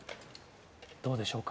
どうでしょうか。